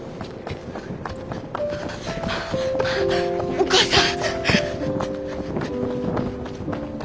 お母さん。